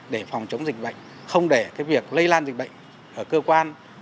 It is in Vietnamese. để phòng chống dịch bệnh không để việc lây lan dịch bệnh ở cơ quan